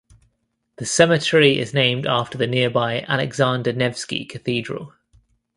The cemetery is named after the nearby Alexander Nevsky Cathedral.